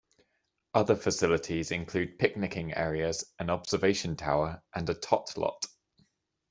Other facilities include picnicking areas, an observation tower, and a tot lot.